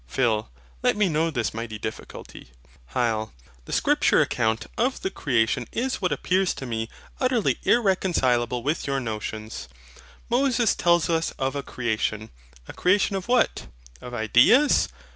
PHIL. Let me know this mighty difficulty. HYL. The Scripture account of the creation is what appears to me utterly irreconcilable with your notions. Moses tells us of a creation: a creation of what? of ideas?